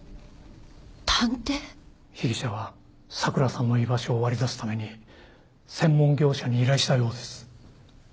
被疑者は咲良さんの居場所を割り出すために専門業者に依頼したようです。